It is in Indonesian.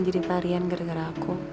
jadi tarian gara gara aku